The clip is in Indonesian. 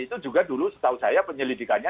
itu juga dulu setahu saya penyelidikannya